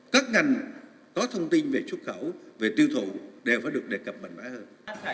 các ngành có thông tin về xuất khẩu về tiêu thụ đều phải được đề cập mạnh mẽ hơn